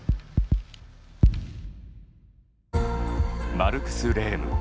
マルクス・レーム。